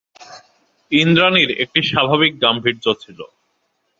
ইন্দ্রাণীর একটি স্বাভাবিক গাম্ভীর্য ছিল।